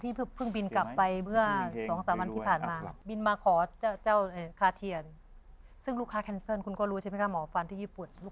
ทีนี้เขาก็บอกว่าลูกค้าคนที่แคนเซอร์แล็กขอให้เขากลับมาอีก